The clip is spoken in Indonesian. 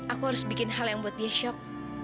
aku harus bikin hal yang buat dia shock